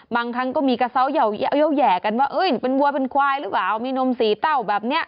บางครั้งก็มีกระเศร้าเยาแยกกันว่าเอ้ยเป็นวัวเป็นควายหรือเปล่ามีนม๔เต้าแบบนี้